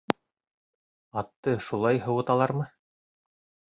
Атты шулай һыуыталармы?